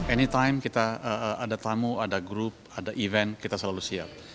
anytime kita ada tamu ada grup ada event kita selalu siap